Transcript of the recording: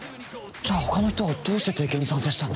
じゃ他の人はどうして提携に賛成したの？